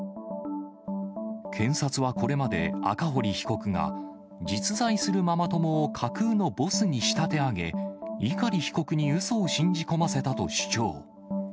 検察はこれまで赤堀被告が、実在するママ友を架空のボスに仕立て上げ、碇被告にうそを信じ込ませたと主張。